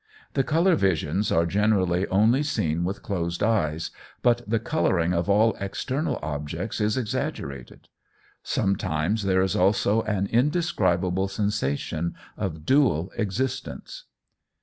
The colour visions are generally only seen with closed eyes, but the colouring of all external objects is exaggerated. Sometimes there is also an indescribable sensation of dual existence.